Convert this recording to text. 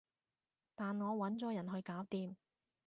但我搵咗人去搞掂